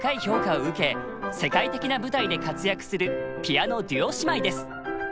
世界的な舞台で活躍するピアノデュオ姉妹です。